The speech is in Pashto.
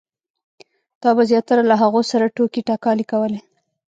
تا به زیاتره له هغو سره ټوکې ټکالې کولې.